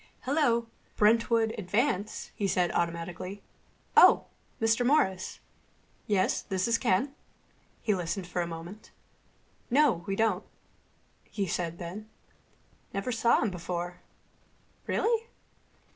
"Hello. Brentwood Advance," he said automatically.... "Oh, Mr. Morris.... Yes, this is Ken." He listened for a moment. "No, we don't," he said then. "Never saw him before.... Really?